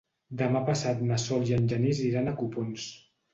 Demà passat na Sol i en Genís iran a Copons.